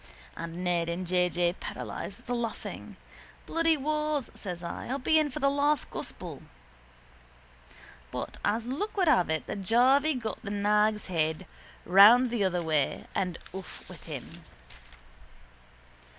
And Ned and J. J. paralysed with the laughing. —Bloody wars, says I, I'll be in for the last gospel. But as luck would have it the jarvey got the nag's head round the other way and off with him.